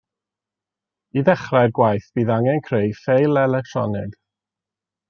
I ddechrau'r gwaith bydd angen creu ffeil electronig